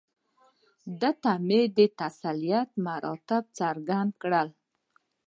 ده ته مې د تسلیت مراتب څرګند کړل.